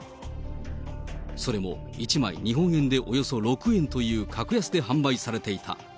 それも１枚日本円でおよそ６円という格安で販売されていた。